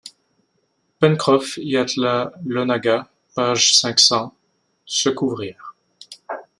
Pencroff y attela l'onagga. Page cinq cents. se couvrir.